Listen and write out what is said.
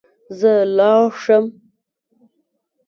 زه لاړ شم